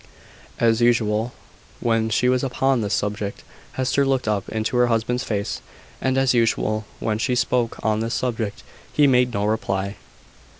As usual, when she was upon this subject, Hester looked up into her husband's face: and as usual, when she spoke on this subject, he made no reply.